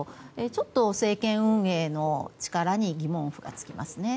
ちょっと政権運営の力に疑問符がつきますね。